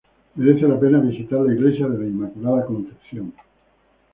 Merece la pena visitar la Iglesia de la Inmaculada Concepción.